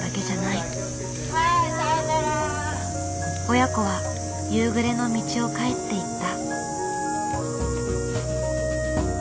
親子は夕暮れの道を帰っていった。